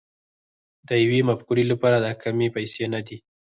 د يوې مفکورې لپاره دا کمې پيسې نه دي